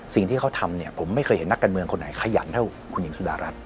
สิ่งที่เขาทำเนี่ยผมไม่เคยเห็นนักการเมืองคนไหนขยันเท่าคุณหญิงสุดารัฐ